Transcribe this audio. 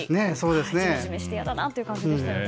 ジメジメして嫌だなという感じでしたね。